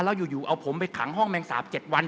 แล้วอยู่เอาผมไปขังห้องแมงสาป๗วัน